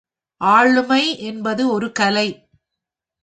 ஆளுமை என்பது ஒரு கலை.